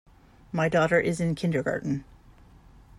My daughter is in kindergarten.